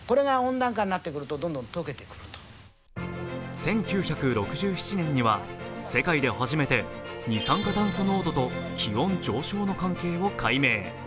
１９６７年には世界で初めて二酸化炭素濃度と気温上昇の関係を解明。